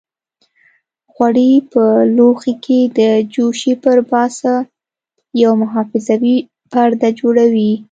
غوړي په لوښي کې د جوشې پر پاسه یو محافظوي پرده جوړوي.